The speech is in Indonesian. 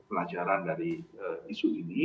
pelajaran dari isu ini